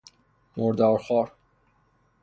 مردارخوار